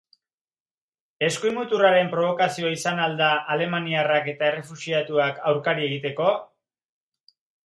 Eskuin muturraren probokazioa izan al da, alemaniarrak eta errefuxiatuak aurkari egiteko?